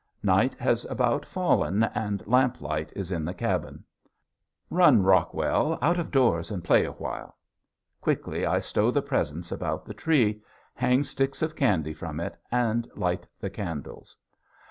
Night has about fallen and lamp light is in the cabin. "Run, Rockwell, out of doors and play awhile." Quickly I stow the presents about the tree, hang sticks of candy from it, and light the candles.